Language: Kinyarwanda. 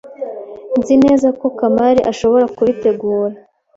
Nzi neza ko Kamali ashobora kubitegura.